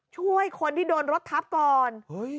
ช่วยคนที่โดนรถทับก่อน